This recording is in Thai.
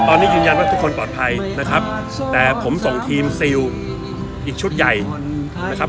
ตอนนี้ยืนยันว่าทุกคนปลอดภัยนะครับแต่ผมส่งทีมซิลอีกชุดใหญ่นะครับ